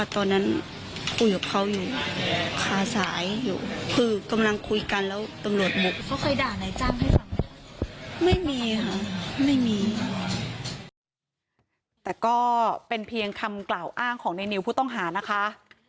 แต่ก็เป็นเพียงคำกล่าวอ้างของในนิวผู้ต้องหานะคะ